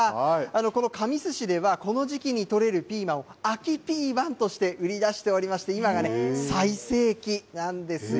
この神栖市ではこの時期にとれるピーマンを秋ピーマンとして売り出しておりまして今が最盛期なんですよ。